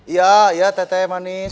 iya ya teh teh manis